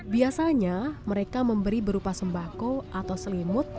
biasanya mereka memberi berupa sembako atau selimut